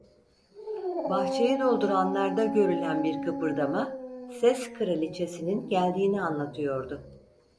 Bahçeyi dolduranlarda görülen bir kıpırdama, ses kraliçesinin geldiğini anlatıyordu.